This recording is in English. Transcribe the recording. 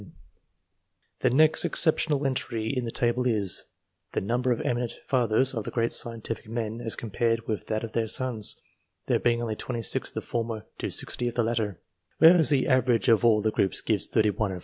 COMPARISON OF RESULTS 311 The next exceptional entry in the table is, the number of eminent fathers of the great scientific men as com pared with that of their sons, there being only 26 of the former to 60 of the latter, whereas the average of all the groups gives 31 and 48.